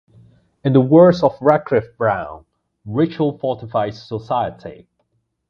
In the words of Radcliffe-Brown, "Ritual fortifies Society".